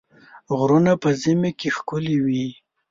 غرونه په ژمي کې ښکلي وي.